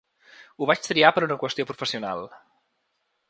Ho vaig triar per una qüestió professional.